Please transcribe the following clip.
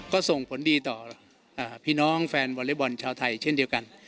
ก็ส่งผลดีต่อพี่น้องแฟนวอเล็กบอลชาวไทยเช่นเดียวกัน